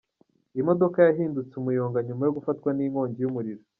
Imodoka yahindutse umuyonga nyuma yo gufatwa ninkongi yumuriro